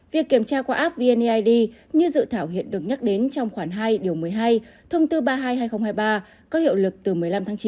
việc kiểm tra qua app vneid như dự thảo hiện được nhắc đến trong khoảng hai điều một mươi hai thông tư ba mươi hai hai nghìn hai mươi ba có hiệu lực từ một mươi năm tháng chín